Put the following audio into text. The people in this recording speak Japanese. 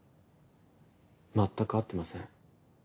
まったく会ってません。